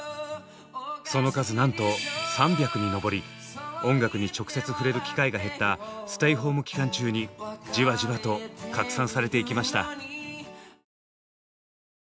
その数なんと３００に上り音楽に直接触れる機会が減ったステイホーム期間中にじわじわと拡散されていきました。